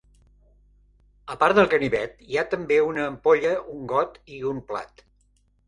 A part del ganivet, hi ha també una ampolla, un got i un plat.